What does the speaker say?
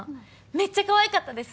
めっちゃかわいかったですね。